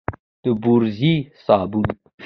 د بوروزې صابون،